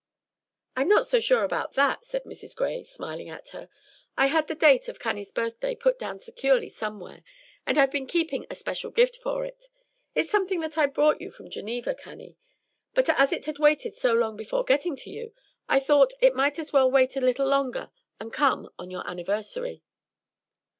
"I'm not so sure about that," said Mrs. Gray, smiling at her. "I had the date of Cannie's birthday put down securely somewhere, and I've been keeping a special gift for it. It's something that I brought you from Geneva, Cannie; but as it had waited so long before getting to you, I thought it might as well wait a little longer and come on your anniversary."